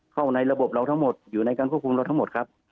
เข้าในระบบเราทั้งหมดอยู่ในการควบคุมเราทั้งหมดครับ